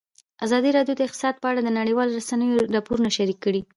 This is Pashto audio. ازادي راډیو د اقتصاد په اړه د نړیوالو رسنیو راپورونه شریک کړي.